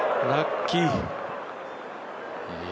ラッキー。